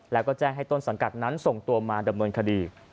แล้วก็แจ้งให้ต้นสังกัดนั้นส่งตัวมาดำเนินคดี